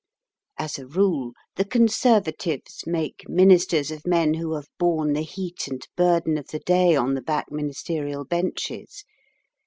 As a rule, the Conservatives make Ministers of men who have borne the heat and burden of the day on the back Ministerial benches.